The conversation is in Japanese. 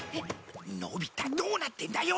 のび太どうなってんだよ？